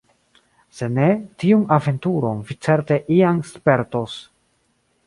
Se ne, tiun aventuron vi certe iam spertos.